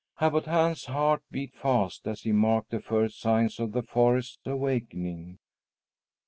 Abbot Hans' heart beat fast as he marked the first signs of the forest's awakening.